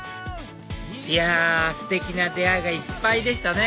いやステキな出会いがいっぱいでしたね！